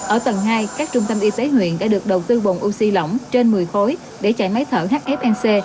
ở tầng hai các trung tâm y tế huyện đã được đầu tư bồn oxy lỏng trên một mươi khối để chạy máy thở hfnc